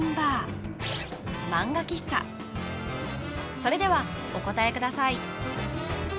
それではお答えください